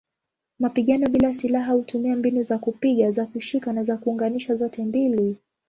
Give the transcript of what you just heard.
Mapigano bila silaha hutumia mbinu za kupiga, za kushika na za kuunganisha zote mbili.